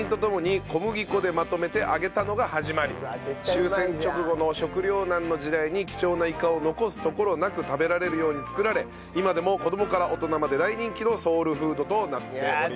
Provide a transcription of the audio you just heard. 終戦直後の食糧難の時代に貴重なイカを残すところなく食べられるように作られ今でも子どもから大人まで大人気のソウルフードとなっております。